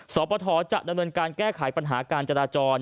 ปทจะดำเนินการแก้ไขปัญหาการจราจร